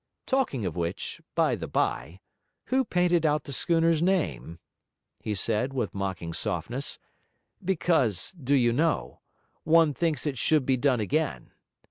Talking of which, by the bye, who painted out the schooner's name?' he said, with mocking softness, 'because, do you know? one thinks it should be done again.